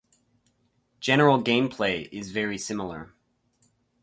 General gameplay is very similar.